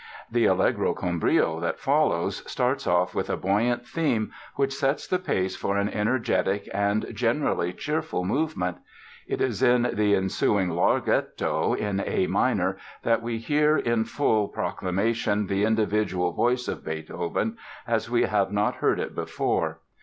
The "Allegro con brio" that follows starts off with a buoyant theme which sets the pace for an energetic and generally cheerful movement. It is in the ensuing Larghetto in A major that we hear in full proclamation the individual voice of Beethoven as we have not heard it before.